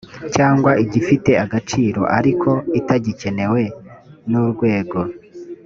cyangwa igifite agaciro ariko itagikenewe n urwego